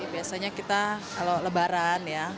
biasanya kita kalau lebaran ya